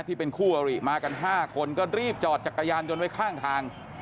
ที่เป็นคู่อริมากัน๕คนก็รีบจอดจักรยานยนต์ไว้ข้างทาง